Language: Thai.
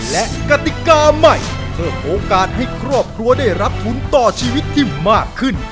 และกติกาใหม่เพิ่มโอกาสให้ครอบครัวได้รับทุนต่อชีวิตที่มากขึ้น